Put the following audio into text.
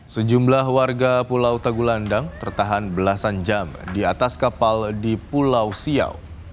sejumlah warga pulau tegulandang tertahan belasan jam di atas kapal di pulau siau